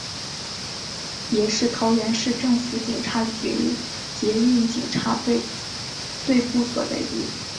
也是桃园市政府警察局捷运警察队队部所在地。